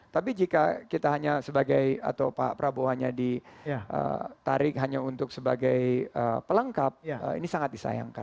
tapi jika kita hanya sebagai atau pak prabowo hanya ditarik hanya untuk sebagai pelengkap ini sangat disayangkan